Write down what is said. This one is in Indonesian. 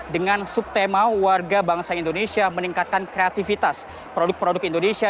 dengan subtema warga bangsa indonesia meningkatkan kreativitas produk produk indonesia